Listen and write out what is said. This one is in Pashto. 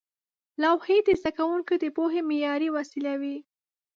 لوحې د زده کوونکو د پوهې معیاري وسیله وې.